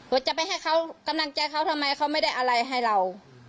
จะไปให้เขากำลังใจเขาทำไมเขาไม่ได้อะไรให้เรา